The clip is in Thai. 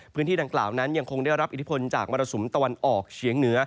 พื้นที่ก่อนหนึ่งยังคงได้รับอิทธิพลจากมรสุมตะวันออกเชียง